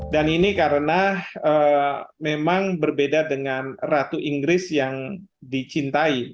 dan ini karena memang berbeda dengan ratu inggris yang dicintai